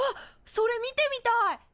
それ見てみたい！